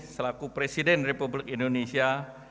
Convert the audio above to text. selaku presiden republik indonesia